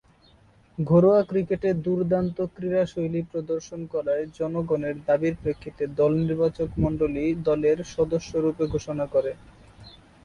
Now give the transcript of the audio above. ঘরোয়া ক্রিকেটে দূর্দান্ত ক্রীড়াশৈলী প্রদর্শন করায় জনগণের দাবীর প্রেক্ষিতে দল নির্বাচকমণ্ডলী দলের সদস্যরূপে ঘোষণা করে।